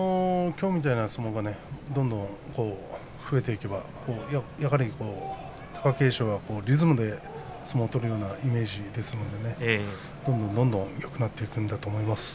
きょうの相撲がどんどん増えていけばやはり貴景勝はリズムで相撲を取るようなイメージですのでどんどんよくなっていくんだと思います。